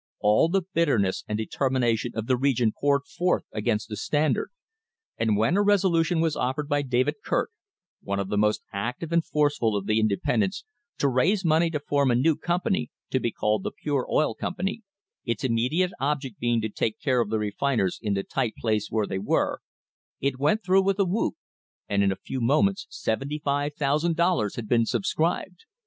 All the bitterness and determination of the region poured forth against the Standard, and when a resolution was offered by David Kirk, one of the most active and forceful of the inde pendents, to raise money to form a new company, to be called the Pure Oil Company, its immediate object being to take care of the refiners in the tight place where they were, it went through with a whoop, and in a few moments $75,000 had been subscribed.